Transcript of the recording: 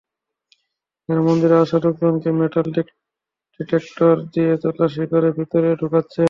তাঁরা মন্দিরে আসা লোকজনকে মেটাল ডিটেক্টর দিয়ে তল্লাশি করে ভেতরে ঢোকাচ্ছেন।